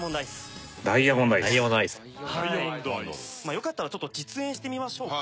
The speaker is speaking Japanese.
よかったらちょっと実演してみましょうか？